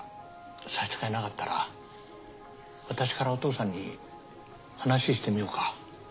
差し支えなかったら私からお父さんに話してみようか。